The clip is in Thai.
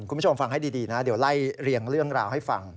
คุณผู้ชมฟังให้ดีนะเดี๋ยวไล่เรียงเรื่องราวให้ฟัง